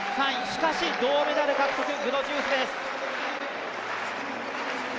しかし銅メダル獲得グドジウスです。